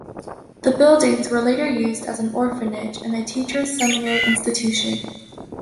The buildings were later used as an orphanage and a teachers' seminary institution.